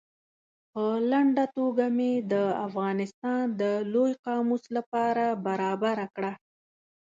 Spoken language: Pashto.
په لنډه توګه مې د افغانستان د لوی قاموس له پاره برابره کړه.